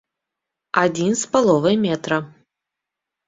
Адзін з паловай метра.